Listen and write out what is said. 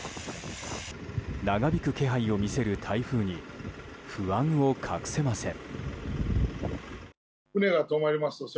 長引く気配を見せる台風に不安を隠せません。